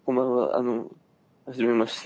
あのはじめまして。